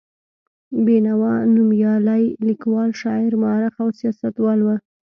بېنوا نومیالی لیکوال، شاعر، مورخ او سیاستوال و.